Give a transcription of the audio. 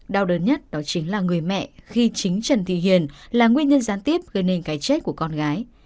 đau đớn nhất đó chính là người mẹ khi chính trần thị hiền là nguyên nhân gián tiếp gây nên cái chết của con gái